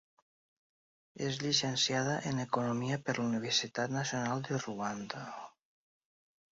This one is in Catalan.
És llicenciada en economia per la Universitat Nacional de Ruanda.